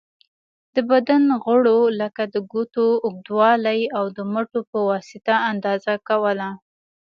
د بدن غړیو لکه د ګوتو اوږوالی، او د مټو په واسطه اندازه کوله.